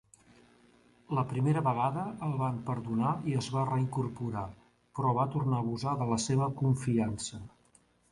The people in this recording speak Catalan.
La primera vegada el van perdonar i es va reincorporar però va tornar a abusar de la seva confiança.